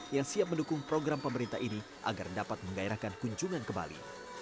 yang siap mendukung program pemerintah ini agar dapat menggairahkan kunjungan ke bali